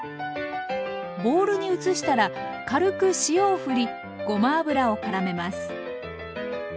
ボウルに移したら軽く塩をふりごま油をからめます。